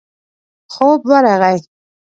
خوب ورغی.